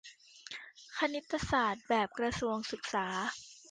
คณิตศาสตร์แบบกระทรวงศึกษา